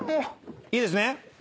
いいですね？